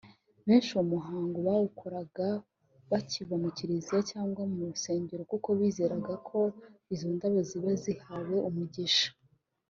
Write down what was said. Benshi uwo muhango bawukoraga bakiva mu Kiliziya cyangwa mu rusengero kuko bizeraga ko izo ndabo ziba zahawe umugisha